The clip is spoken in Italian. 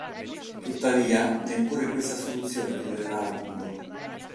Tuttavia, neppure questa soluzione durerà a lungo.